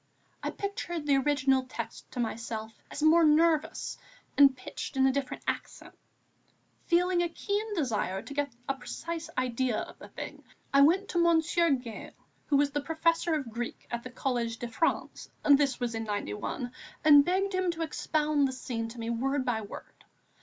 I pictured the original text to myself as more nervous and pitched in a different accent. Feeling a keen desire to get a precise idea of the thing, I went to Monsieur Gail, who was the Professor of Greek at the Collège de France (this was in '91), and begged him to expound the scene to me word by word.